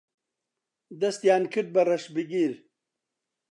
دەستیان کرد بە ڕەشبگیر